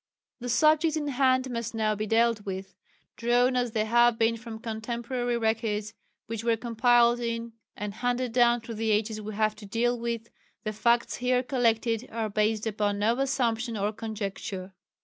The subject in hand must now be dealt with. Drawn as they have been from contemporary records which were compiled in and handed down through the ages we have to deal with, the facts here collected are based upon no assumption or conjecture.